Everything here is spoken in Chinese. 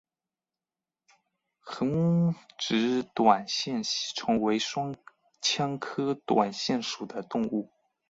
横殖短腺吸虫为双腔科短腺属的动物。